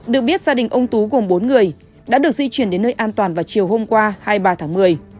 được biết gia đình ông tú gồm bốn người đã được di chuyển đến nơi an toàn vào chiều hôm qua hai mươi ba tháng một mươi